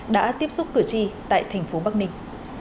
đã tiếp xúc cửa chi tại thành phố bắc ninh